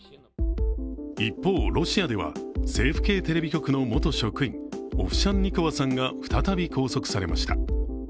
一方、ロシアでは政府系テレビ局の元職員、オフシャンニコワさんが再び拘束されました。